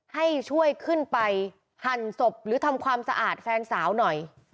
ให้ช่วยขึ้นไปหั่นศพหรือทำความสะอาดแฟนสาวหน่อย